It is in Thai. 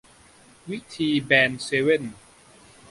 วิธีแบนเซเว่น